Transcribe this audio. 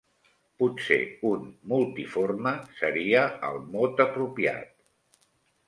Potser un «multiforme» seria el mot apropiat.